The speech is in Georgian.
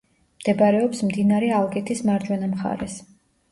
მდებარეობს მდინარე ალგეთის მარჯვენა მხარეს.